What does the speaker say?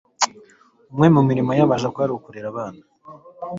umwe mu mirimo y'abaja kwari ukurera abana